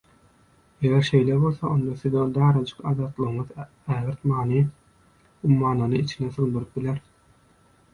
Eger şeýle bolsa onda siziň darajyk azatlygyňyz ägirt many ummanyny içine sygdyryp biler.